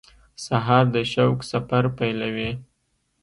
سهار د شوق سفر پیلوي.